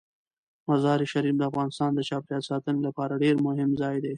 مزارشریف د افغانستان د چاپیریال ساتنې لپاره ډیر مهم ځای دی.